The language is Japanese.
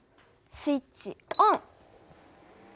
スイッチオン！